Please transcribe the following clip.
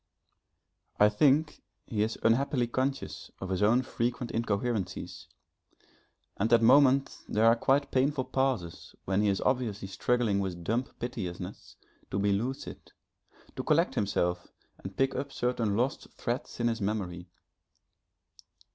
I think he is unhappily conscious of his own frequent incoherencies and at moments there are quite painful pauses when he is obviously struggling with dumb piteousness to be lucid, to collect himself and pick up certain lost threads in his memory.